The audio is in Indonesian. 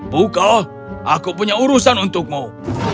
buka aku punya urusan untukmu